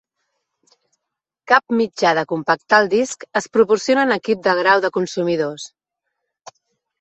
Cap mitjà de compactar el disc es proporciona en equip de grau de consumidors.